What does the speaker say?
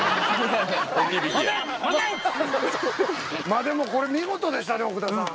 まぁでもこれ見事でしたね奥田さん。